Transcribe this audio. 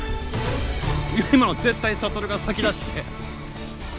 今のは絶対に智が先だって！